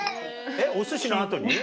えっお寿司の後に？